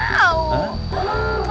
kamu kan penakut